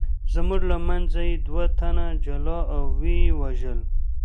زموږ له منځه یې دوه تنه جلا او ویې وژل.